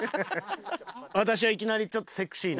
私はいきなりちょっとセクシーな。